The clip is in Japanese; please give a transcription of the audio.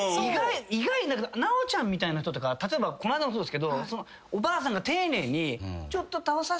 意外に奈央ちゃんみたいな人とか例えばこの間もそうですけどおばあさんが丁寧に。